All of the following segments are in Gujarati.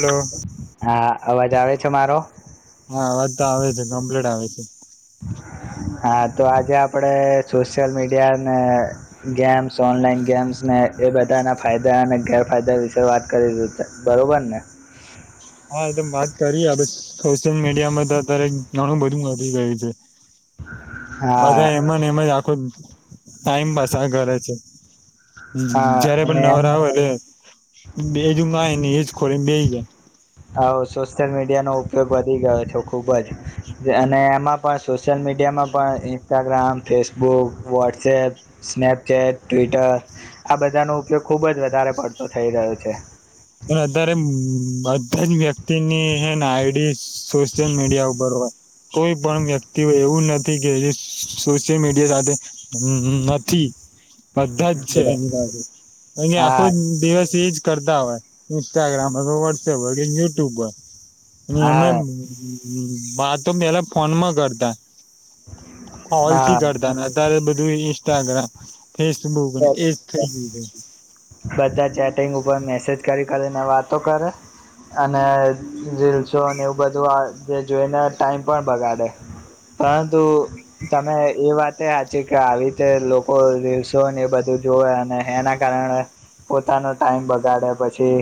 હલો હા અવાજ જ આવે છે મારો. હા વાત તો આવે છે [unintelligible] હા તો આજે આપડે સોશિયલ મીડિયા ને ગેમ્સ ઓનલાઈન ગેમ્સ ને એ બધાના ફાયદા અને ગેરફાયદા વિશે વાત કરી સુ બરોબર ને. હ. વાત કરીએ આપણે સોશિયલ મીડિયામાં તો અત્યારે ઘણું બધું વધી ગયું છે. હા બધા એમને એમાં જ આખું ટાઈમ પાસા કરે છે. હા જયારે અને પણ નવરા એમાં હોય બેજ ઉ માય ને એજ ખોલીને બેહિ [inaudible] હ સોશિયલ મીડિયાનો ઉપયોગ વધી ગયો છે ખુબ જ અને એમાં પણ સોશિયલ મીડિયામાં પણ Instagram Facebook WhatsApp Snapchat Twitter આ બધાનો ઉપયોગ ખુબ જ વધારે પડતો થઈ રહ્યો છે. પણ અત્યારે બધા જ વ્યક્તિની એ આઈડી સોશિયલ મીડિયા ઉપર હોય કોઈ પણ વ્યક્તિ એવું નથી કે જે સોશિયલ મીડિયા સાથે હમ નથી બધા જ છે એની હા પાસે અને આખો દિવસ એજ કરતા હોય ઇન્સ્ટાગ્રામ હોય કે વોટસઅપ હોય કે યુટ્યુબ પર અને એમે હા વાતો પેલા ફોનમાં કરતા કોલથી હા કરતા ને અત્યારે બધું ઇન્સ્ટાગ્રામ ફેસબુક એજ થઈ ગયું છે બધા ચેટિંગ ઉપર મેસેજ કરી કરીને વાતો કરે અને રીલ્સો એવું બધું જે જોઈને ટાઈમ પણ બગાડે પરંતુ તમે એ વાતે સાચી કે આવી રીતે લોકો રીલ્સ તો ને એ બધું જોએ અને એના કારણે પોતાનો ટાઈમ બગાડે પછી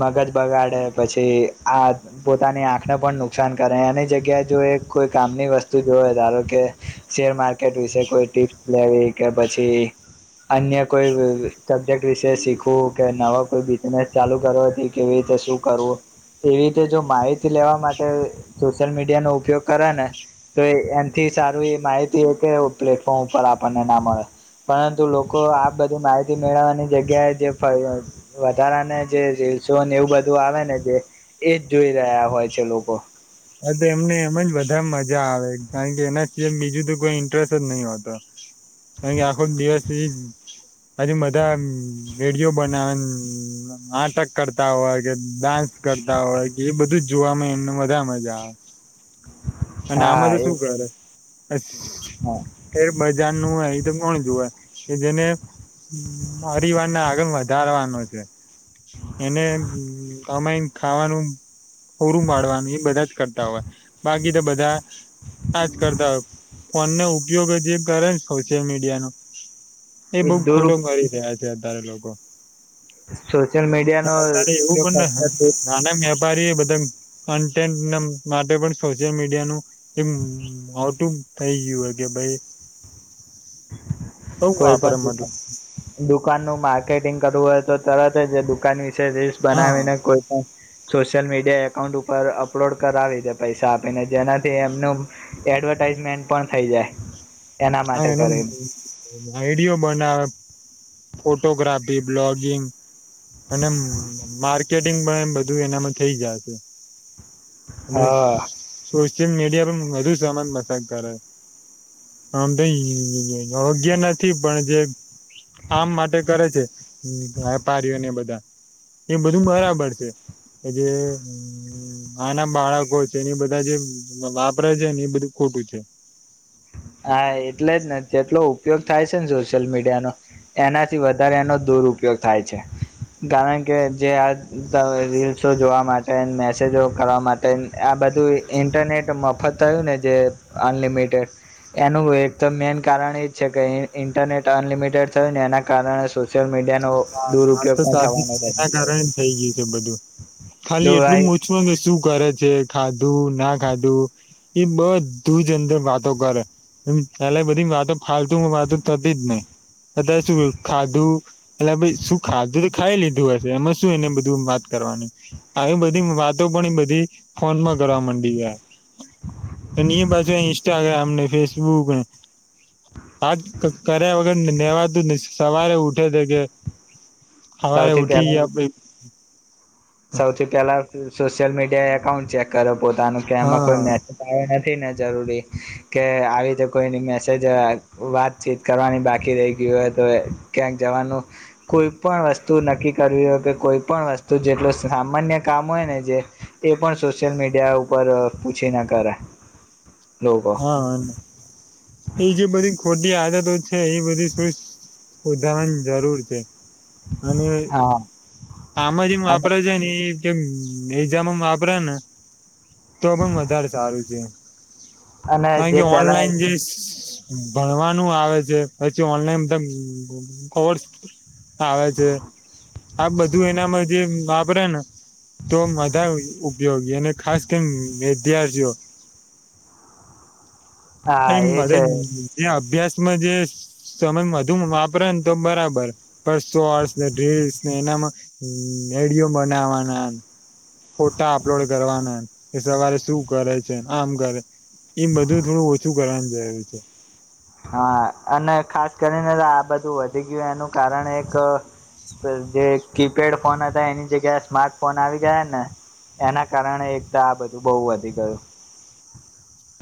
મગજ બગાડે પછી આ પોતાની આંખને પણ નુકસાન કરે એની જગ્યાએ જોએ કોઈ કામની વસ્તુ જોવે ધારોકે શેર માર્કેટ વિશે કોઈ ટીપ્સ લેવી કે પછી અન્ય કોઈ સબ્જેક્ટ વિશે શીખવું કે નવા કોઈ બિઝનેસ ચાલુ કરવાથી કેવી રીતે શું કરવું એવી રીતે જો માહિતી લેવા માટે સોશિયલ મીડિયાનો ઉપયોગ કરે ને તો એનાથી સારુ એ માહિતી એ પ્લેટફોર્મ ઉપર આપણને ના મળે પરંતુ લોકો આ બધી માહિતી મેળવવાની જગ્યાએ જે વધારાને જે રીલસો એવું બધું આવે ને જે એ જ જોઈ રહ્યા હોય છે લોકો હ તો એમને એમ જ બધા મજા આવે કારણ કે એના સિવાય બીજું તો કોઈ ઇન્ટરેસ્ટ જ નહી હોતો કારણ કે આખો દિવસ એ આજુ બધા વેડિયો બનાવે નાટક કરતા હોય કે ડાન્સ કરતા હોય કે એ બધું જ જોવાવામાં એમને બધા મજા આવે હા અને આમાં હા તો એ શું કરે હા સેર બજારનું હોય એ તો કોણ કે જેને પરિવાર ના આગળ વધારવાનો છે. એને કમાય ખાવાનું પુરુ પાડવાનું એ બધા જ કર બાકી તો બધા આજ કરતા હોય ફોનનો ઉપયોગ જે કરે સોશિયલ મીડિયાનો એ બઉ ખોટું કરી રહ્યા છે. છે વધારે લોકો સોશિયલ મીડિયાનો ઉપયોગ ભારી એ બધા કોનટેનટ માટે પણ સોશિયલ મીડિયાનું એ કટુંબ થઈ ગયું હો કે ભાઈ બઉ કોઈ વાપરે પણ મતલબ દ દુકાનનું માર્કેટિંગ કરવું હોય તો તરત જ એ દુકાની રીલ્સ હા બનાવીને કોઈ પણ સોશિયલ મીડિયા અકાઉન્ટ ઉપર અપલોડ કરાવી દે પૈસા આપીને જેનાથી એમનું એડવર્ટાઈઝમેન્ટ પણ થઈ જાય એના હા માટે એનો કરીને આઈડયો બનાવે ફોટોગ્રાફી બ્લોગિંગ અને મા ર્કેટિંગ પણ એમ બધું એનામાં થઇ જશે હ હા શું શિયલ મીડિયા પણ વધુ સમાન મસાજ કરે. આમ તો યોગ્ય નથી પણ જે આમ માટે કરે છે વેપારીઓને બધા એ બધું બરાબર છે કે જે આના બાળકો છે એની બધા જે વાપરે છે ને એ બધું ખોટું છે. હા એટલે જ ને જેટલો ઉપયોગ થાય છે ને સોશિયલ મીડિયાનો એનાથી વધારે એનો દુરપયોગ થાય છે કારણ કે જે આ રીલ્સો જોવા માટે મેસેજો કરવા માટેને આ બધું ઇન્ટરનેટ મફત થયું ને જે અનલિમિટેડ એનું એક તો મેન કારણ એજ છે કે ઇન્ટરનેટ અનલિમિટેડ થયું ને એના કારણે સોશિયલ મીડિયાનો હા વાત દુરુપયોગ તો પણ સાચી થવાનો એના બની ગયો કારણે થઈ ગયું છે બધું જો ખાલી આ એટલું મોછમાં શું કરે છે ખાધું ના ખાધું એ બધું જ અંદર વાતો કરે એલે બધી વાતો ફાલતુ વાતો થતી જ નઈ અત્યારે શું ખાધું એટલે શું ખા ખાઈ લીધું હશે એમાં શું એને બધું વાત કરવાની આવી બધી વાતો પણ એ બધી ફોનમાં કરવા મંડી ગયા અને એની એ પાછુ ઇન્સ્ટાગ્રામ ને ફેસબુક ને આ જ કર્યા વગર નેવાતું સવારે ઉઠે છે કે હવારે સૌથી ઉઠી પહેલા ગયા પ સૌથી પેલા સોશિયલ મીડ એ એકાકાઉન્ટ ચેક કરે. પોતાનું કે એમાં કોઈ હા મેસેજ આયો નથી ને. જરૂરી કે આવી રીતે કોઈની મેસેજ વાતચીત કરવાની બાકી રહી ગયુ હોય તો ક્યાંક જવાનું કોઈ પણ વસ્તુ નક્કી કરવી હોય કે કોઈ પણ વસ્તુ જેટલ સામાન્ય કામ હોય ને જે એ પણ સોશિયલ મીડિયા ઉપર પૂછી ના કરે. લોકો હા ન એ જે બધી ખોટી આદતો. છે એ બધી શ સુધારવાની જરૂર છે અને હા આમાં જેમ વાપરા છે ને એ કેમં મેં જામા વાપરા ને તો પણ વધારે સારું છે. અને કારણ જે કે પેલા ઓનલાઈન જે ભણવાનું આવે છે પછી ઓનલાઈન ધા કોર્સ આવે છે આ બધું એનામાં જે વાપરે ને તો બધા ઉપયોગી અને ખાસ કેમ વિદ્યાર્થીઓ. હા એ છે [unintelligible] ભ્યાસમાં જે સમય વધુ વાપરે ને તો બરાબર પણ શોર્સ ને રીલ્સ ને એનામાં રેડિયો બનાવાના ફોટા અપલોડ કરવાના. એ સવારે શું કરે છે આમ કરે એ બધું થોડું ઓછું કરવાનું. [unintelligible] હા અને ખાસ કરીને તો આ બધું વધી ગયું એનું કારણ એક જે કીપેડ ફોન હતા એની જગ્યાએ સ્માર્ટ ફોન આવી ગયા ને એના કારણે એક આ બધું બહુ વધી ગયું.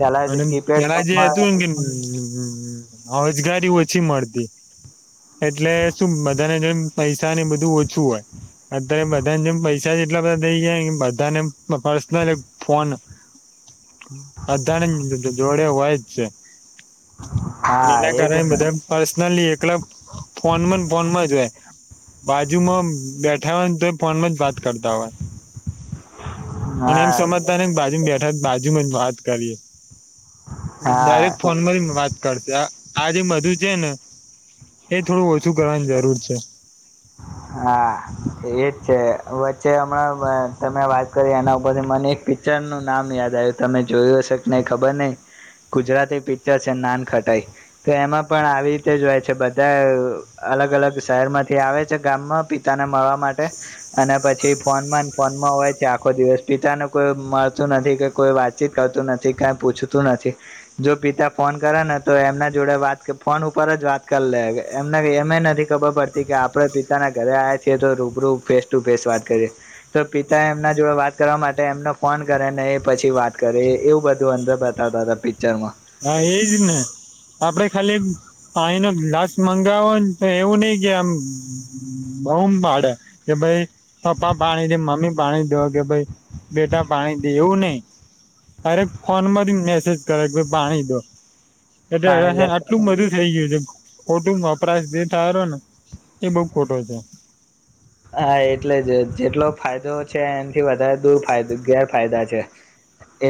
પેલા જે અને કીપેડ પેલા જે ફોનમાં હતું એમ કે હમ હોજગારી ઓછી મળતી એટલે શું બધાને જેમ પૈસા ને બધું ઓછું હોય અત્યારે બધાને જેમ પૈસા જેટલા બધા થઇ ગયા બધાને પર્સનલ ફોન [unintelligible] તો જોડે હોય જ છે. અને હા એના એજ કારણે ને બધા ફસ લી એકલા ફોન મં ફોન માં જ રહે બાજુમાં બેઠા હોય તો ફોનમાં જ વાત કરતા હોય. અને એમ હા સમજતા ને બાજુ બેઠા બાજુમાં જ વાત કરીએ. હા ડાયરેક્ટ ફોન કરીને વાત કરતા આ જે બધું છે ને એ થોડું ઓછું કરવાની જરૂર છે હા એજ છે વચ્ચે હમણાં તમે વાત કરી એના ઉપરથી મને એક પિક્ચર નું નામ યાદ આવ્યું તમે જોયું હશે કે નહી ખબર નઈ ગુજરાતી પિક્ચર છે નાનખટાઈ તો એમાં પણ આવી રીતે જ હોય છે બધા અલગ અલગ શહેર માંથી આવે છે ગામ મા પિતાને મળવા માટે અને પછી ફોન ફોનમાં હોય છે આખો દિવસ પિતાને કોઈ મળતું નથી કે કોઈ વાતચીત કરતું નથી કઈ પૂછતું નથી જો પિતા ફોન કરે ને તો એમના જોડે વાત ફોન ઉપર જ વાત કરી લે એમને એમ નથી ખબર પડતી કે આપડે પી પિતાના ઘરે આયા છીએ તો રૂબરૂ ફેસ ટુ ફેસ વાત કરીએ તો પિતા એમના જોડે વાત કરવા માટે એમનો ફોન કરે ને એ પછી વાત કરે એવું બધું અંદર બતાવતા હતા પિક્ચર માં હા એજ ને આપડે ખાલી પાણી નો ગ્લાસ મંગાવો તો એવું નઈ કે આમ બઉુ પાડે કે ભાઈ પપ્પા પાણી દે મમ્મી પાણી દો કે ભાઈ બેટા પાણી દેવું નઈ હરે ફોન માથી મેસેજ કરે પાણી દો એટ પાણી હ લે આટલું બધું થઈ ગયું છે ખોટું વપરાશ જે થાય ને એ બઉ ખોટો છે હા એટલે જ જેટલો ફાયદો છે એનાથી વધારે દૂરાય ગેરફાયદા છે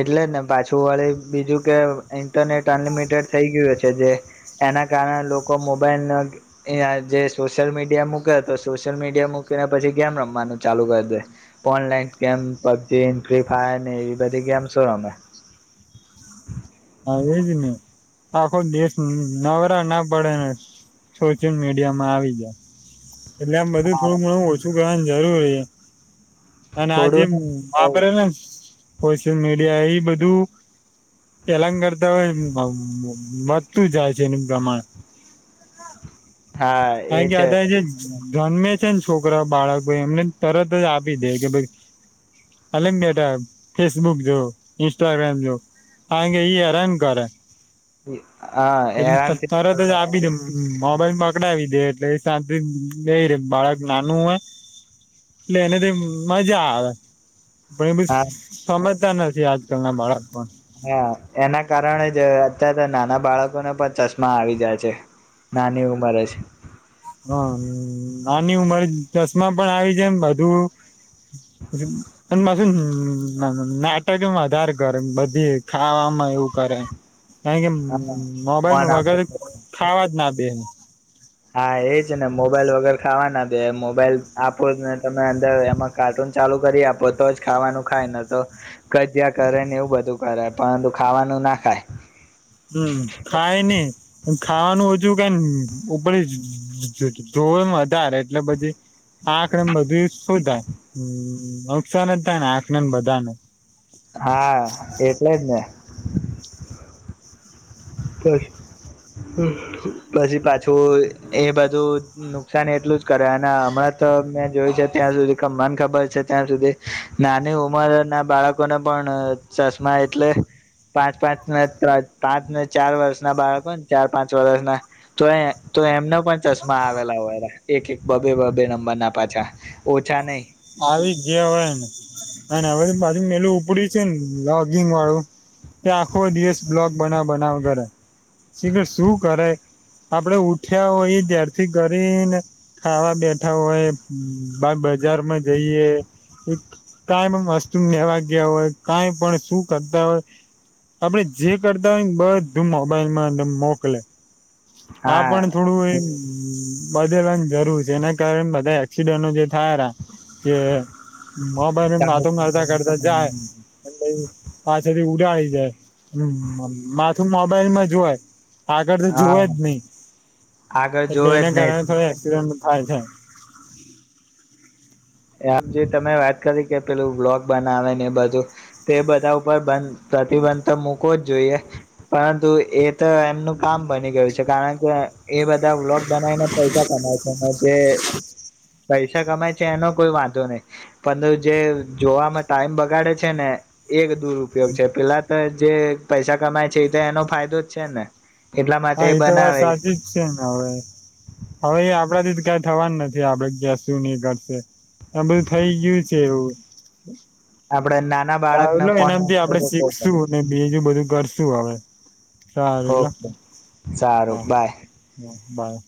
એટલે જ ને પાછું વળી બીજું કે ઇન્ટરનેટ અનલિમિટેડ થઈ ગયું છે જે એના કારણે લોકો મોબાઈલ જે સોશિયલ મીડિયા મૂકે તો સોશિયલ મીડિયા મૂકે પછી ગેમ રમવાનું ચાલુ કરી દે online game PUBG free fire એવી બધી ગેમ શ રમે હા એજ ને આખો દેશ નવરા ના પડેને સોશિયલ મીડિયા માં આવી જાય એટલે આમ બધ થોુંણું ઓછું [unintelligible] જરૂરી અને આજે થોડું વાપરે સોશિયલ મીડિયા એ બધું [unintelligible] કરતા હોય એ વધતું જાય છે, એનું પ્રમાણ હા એ કારણ કે છે અત્યારે જે જન્મે છે, ને છોકરા બાળકો એમને તરત જ આપી દે કે ભઈ અલેમ બેટા ફેસબુક જો ઇન્સ્ટાગ્રામ જો કારણ કે ઈ હેરાન કરે આ હેરાન હ મોબાઈલમાં પકડાવી દે એટલે શાંત રે બાળક નાનું હોય એટલે એને તો મજા આવે. ભાઈ [unintelligible] હા સમજતા નથી ના આજ કલ ના બાળક પણ હા એના કારણે જ અત્યારે નાના બાળકોને પણ ચશ્માં આવી જાય છે નાની ઉંમરેજ હ આની ઉમર ચશ્માં પણ આવી જાયે એમ બધું [unintelligible] નાટકમાં વધારે કરે, બધી ખાવામાં એવું કરે. કારણ કે, હા મોબાઈલ ફોન વગર આપે ખાવા જ ના. [unintelligible] હા, એ જ ને મોબાઈલ વગર ખાવાના દે મોબાઈલ આપો ને તમે અંદર એમાં કાર્ટૂન ચાલુ કરી આપો તો જ ખાવાનું ખાય, ને તો કજ્યા કરે ને એવું બધું કરાય પરંતુ ખાવાનું ના ખાય. હમ્મ ખાય ની ખાવાનું ઓછું, ઉપર જોવા વધારે એટલે પછી આંખને બધી શું થાય નુકસાન જ થાય ને આંખને બધાને હા, એટલેજ ને. પછી પાછું એ બધું નુકસાન એટલું જ કરે, અને હમણાં તો મેં જોય છે, ત્યાં સુધી મન ખબર છે. ત્યાં સુધી નાની ઉંમરના બાળકોને પણ ચશ્મા એટલે પાંચ-પાંચ ને પાચ ચાર વર્ષના બાળકો હોય ને ચાર-પાંચ વર્ષના તો એ તો એમના પણ ચશ્મા આવેલા હોય. એક- એક બે-બે નંબરના પાછા ઓછા નહી. આવી ગયા હોયને, હવે પાછુ પેલું ઉપડી છે ને લોગીનવાળુ કે આખો દિવસ બ્લોગ બનાવ-બનાવ કરે કે શું કરે? આપડે ઉઠ્યા હોય ત્યારથી કરીને ખાવા બેઠા હોય. બજારમાં જઈએ કાઈ પણ વસ્તુ કરવા ગયા હોય, કાઈ પણ શું? કરતા હોય, આપણે જે કરતા હોય ને બધું મોબાઈલમાં અંદર મોકલે. આ હા પણ થોડું એ હમ્મ બદલવાની જરૂર છે એના કારણે બધા એક્સિડન્ટઓ જે થયા કે મોબાઈલમાં વાતો કરતા કરતા જાય એ પાંચ વાગ્યે ઊઠ્યાં હમ્મ મા તું મોબાઈલમાં જોય આગળ તો હા જુવે જ નહી આગળ એટલે જોવે એના જ નહી કારણે થોડા એક્સિડેન્ટ થાય છે. [inaudible] આમ જે તમે વાત કરી કે પેલું બ્લોક બનાવે ને એ બધું તો એ બધા ઉપર બંધ પ્રતિબંધ તો મૂકોવો જ જોઈએ પરંતુ એ તો એમનું કામ બની ગયું છે કારણ કે એ બધા બ્લોગ બનાવીને પૈસા કમાય છે જે પૈસા કમાય છે એનો કોઈ વાંધો નહી પણ જે જોવા ટાઈમ બગાડે છે ને એ દુરપયોગ છે પેલા તો જે પૈસા કમાય છે એ તો એનો ફાયદો જ છે ને એટલા માટે હા એ તો વાત બનાવે સાચી જ છે ને હવે હવે એ આપણે દ થવાનું નથી આપણે ક્યાં શું નહિ કરશે. આમ બધું થઈ ગયું છે એવું આપડે નાના બાળકને ચાલો ફોન એનાથી આપણે શીખશું બીજું બધું કર શું અવે સારું લ ઓકે સારું બાય બાય